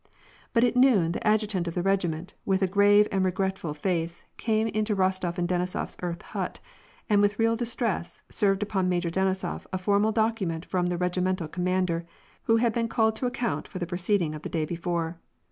But at noon, the adjutant of the regiment, with a grave and regretful face, came into Rostof and Denisof's earth hut, and with real distress served upon Major Denisof a formal docu ment from the regimental commander, who had been called to account for the proceeding of the day before.